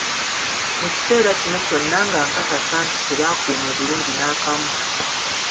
Mu kiseera kino kyonna nga nkakasa nti tebakuumye bulungi n'akamu.